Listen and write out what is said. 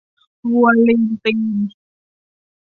วัวลืมตีน